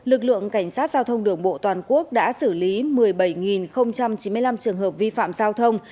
lực lượng cảnh sát giao thông đường bộ toàn quốc đã xử lý một mươi bảy chín mươi năm trường hợp vi phạm giao thông